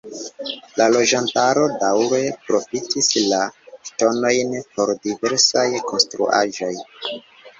La loĝantaro daŭre profitis la ŝtonojn por diversaj konstruaĵoj.